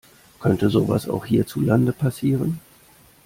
Könnte sowas auch hierzulande passieren?